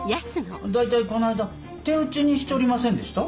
大体こないだ手打ちにしちょりませんでした？